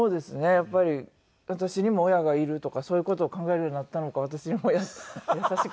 やっぱり私にも親がいるとかそういう事を考えるようになったのか私にも優しく。